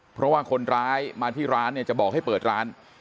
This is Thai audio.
เพราะว่าคนร้ายมาที่ร้านเนี่ยจะบอกให้เปิดร้าน